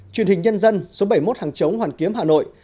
truyền hình nhân dân số bảy mươi một hàng chống hoàn kiếm hà nội